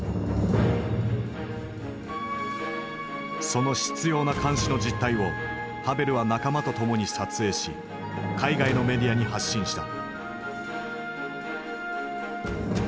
その執拗な監視の実態をハヴェルは仲間と共に撮影し海外のメディアに発信した。